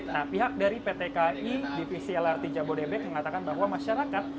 nah pihak dari pt ki divisi lrt jabodebek mengatakan bahwa masyarakat